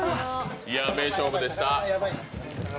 名勝負でした。